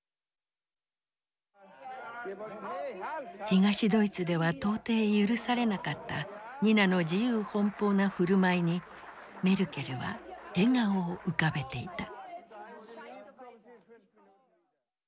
東ドイツでは到底許されなかったニナの自由奔放な振る舞いにメルケルは笑顔を浮かべていた。